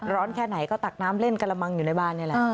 แค่ไหนก็ตักน้ำเล่นกระมังอยู่ในบ้านนี่แหละ